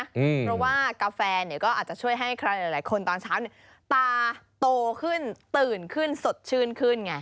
เพราะว่ากาแฟเนี่ยก็อาจจะช่วยให้ใครหลายคนตอนเช้าเนี่ยตาโตขึ้นตื่นขึ้นสดชื่นขึ้นไง